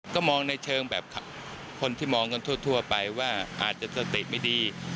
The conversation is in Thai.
ก็มองในเชิงแบบคนที่มองกันทั่วไปว่าอาจจะสติไม่ดี